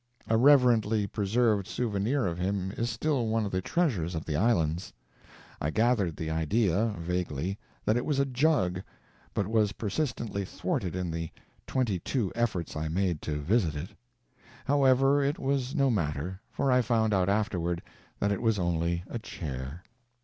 A reverently preserved souvenir of him is still one of the treasures of the islands: I gathered the idea, vaguely, that it was a jug, but was persistently thwarted in the twenty two efforts I made to visit it. However, it was no matter, for I found out afterward that it was only a chair.